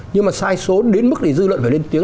nhưng mà sai số đến mức thì dư luận phải lên tiếng